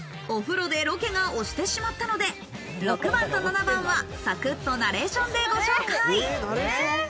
お風呂でロケが押してしまったので、６番と７番はサクッとナレーションでご紹介。